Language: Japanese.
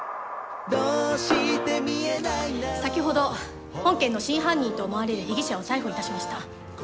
先ほど本件の真犯人と思われる被疑者を逮捕いたしました。